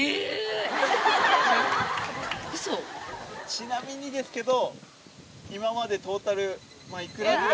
ちなみにですけど。